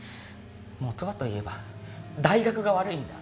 本はといえば大学が悪いんだ。